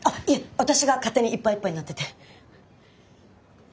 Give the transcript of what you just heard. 私が勝手にいっぱいいっぱいになってて。